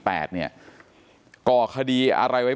เป็นวันที่๑๕ธนวาคมแต่คุณผู้ชมค่ะกลายเป็นวันที่๑๕ธนวาคม